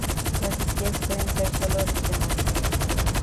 Las sequías pueden ser solo regionales.